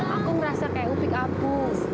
aku merasa kayak upik apuk